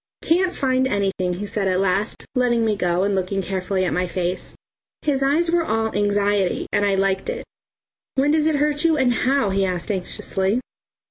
"Can't find anything," he said at last, letting me go and looking carefully at my face. His eyes were all anxiety; and I liked it. "When does it hurt you, and how?" he asked anxiously.